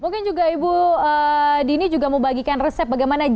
mungkin juga ibu dini juga mau bagikan resep bagaimana itu